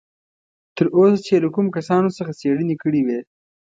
تر اوسه چې یې له کومو کسانو څخه څېړنې کړې وې.